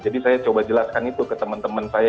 jadi saya coba jelaskan itu ke teman teman saya